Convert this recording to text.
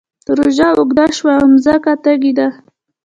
روژه اوږده شوه مځکه تږې ده